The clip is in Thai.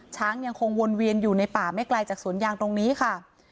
ช้างยังคงวนเวียนอยู่ในป่าไม่ไกลจากสวนยางตรงนี้ค่ะ